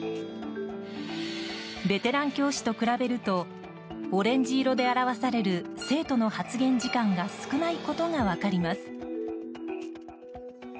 ベテラン教師と比べるとオレンジ色で表される生徒の発言時間が少ないことが分かります。